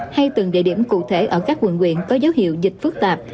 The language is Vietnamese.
hay từng địa điểm cụ thể ở các quận quyện có dấu hiệu dịch phức tạp